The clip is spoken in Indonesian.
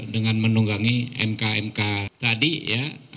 dengan menunggangi mk mk tadi ya